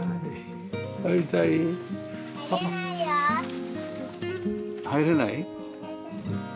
入りたい？入れないよ。入れない？